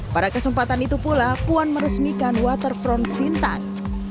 pada kesempatan itu pula puan meresmikan waterfront sintang